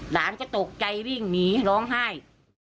หลานก็ตกใจวิ่งหนีร้องไห้